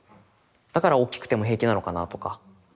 だからおっきくても平気なのかなとか。